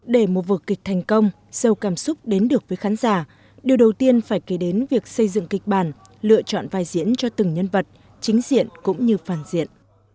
để một vờ kịch thành công sâu cảm xúc đến được với khán giả điều đầu tiên phải kể đến việc xây dựng kịch bản lựa chọn vai diễn cho từng nhân vật chính diện cũng như phản diện